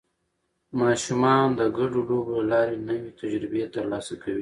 ماشومان د ګډو لوبو له لارې نوې تجربې ترلاسه کوي